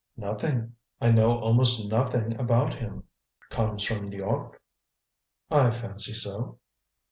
"Nothing I know almost nothing about him." "Comes from N'York?" "I fancy so."